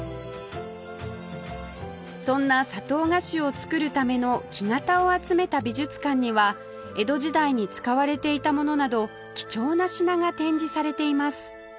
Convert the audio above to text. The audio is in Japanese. そんな砂糖菓子を作るための木型を集めた美術館には江戸時代に使われていたものなど貴重な品が展示されています